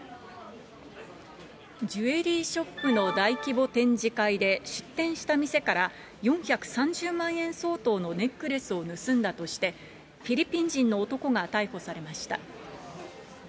ジュエリーショップの大規模展示会で出展した店から、４３０万円相当のネックレスを盗んだとして、フィリピン人の男が逮捕されました。